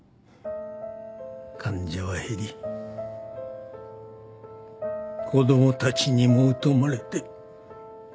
患者は減り子供たちにも疎まれて。